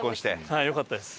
はいよかったです。